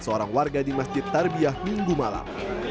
seorang warga di masjid tarbiah minggu malam